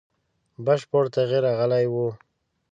بشپړ تغییر راغلی وو.